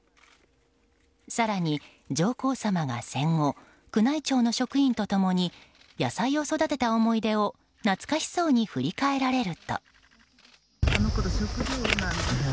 更に、上皇さまが戦後宮内庁の職員と共に野菜を育てた思い出を懐かしそうに振り返られると。